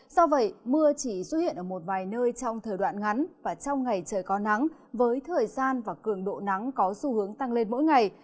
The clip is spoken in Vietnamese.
do vậy mưa chỉ xuất hiện ở một vài nơi trong thời đoạn ngắn và trong ngày trời có nắng với thời gian và cường độ nắng có xu hướng tăng lên mỗi ngày